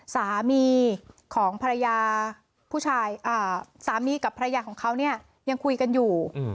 สามีกับฝ่ายชาวเขายังคุยกันอยู่